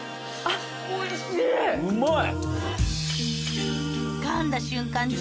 うまい！